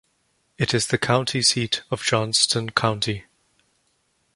It is the county seat of Johnston County.